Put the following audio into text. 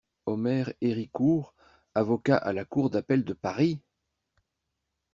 Omer Héricourt avocat à la Cour d'appel de Paris!